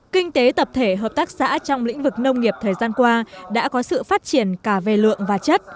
kinh tế tập thể hợp tác xã trong lĩnh vực nông nghiệp thời gian qua đã có sự phát triển cả về lượng và chất